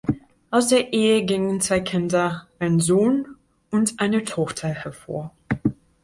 Aus der Ehe gingen zwei Kinder, ein Sohn und eine Tochter hervor.